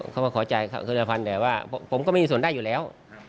เขามาขอจ่ายคนละพันแต่ว่าผมก็ไม่มีส่วนได้อยู่แล้ว